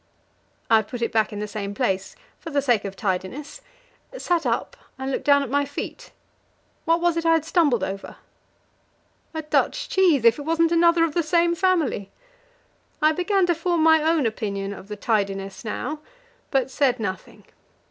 I put it back in the same place for the sake of tidiness sat up, and looked down at my feet. What was it I had stumbled over? A Dutch cheese if it wasn't another of the same family! I began to form my own opinion of the tidiness now, but said nothing.